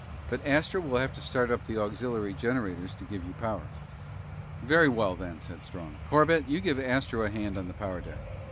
"But Astro will have to start up the auxiliary generators to give you power." "Very well, then," said Strong. "Corbett, you give Astro a hand on the power deck.